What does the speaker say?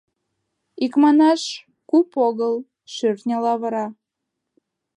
— Икманаш, куп огыл — шӧртньӧ лавыра.